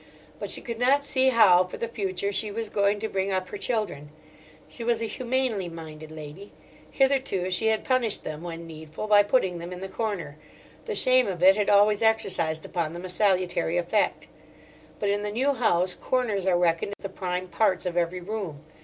But she could not see how for the future she was going to bring up her children. She was a humanely minded lady. Hitherto she had punished them, when needful, by putting them in the corner; the shame of it had always exercised upon them a salutary effect. But in the new house corners are reckoned the prime parts of every room.